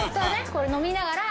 これ飲みながら。